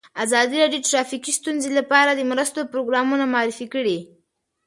ازادي راډیو د ټرافیکي ستونزې لپاره د مرستو پروګرامونه معرفي کړي.